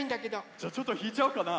じゃちょっとひいちゃおうかな？